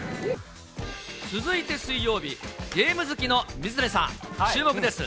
続いて水曜日、ゲーム好きの水谷さん、注目です。